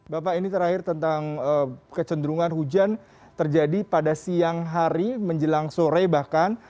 bapak ini terakhir tentang kecenderungan hujan terjadi pada siang hari menjelang sore bahkan